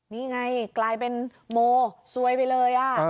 นี่ไงกลายเป็นโมซวยไปเลย